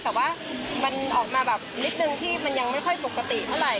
แต่ว่ามันออกมาแบบนิดนึงที่มันยังไม่ค่อยปกติเท่าไหร